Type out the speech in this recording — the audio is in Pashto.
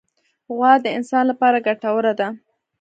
غوا د انسان لپاره ګټوره ده.